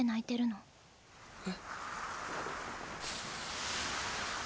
え？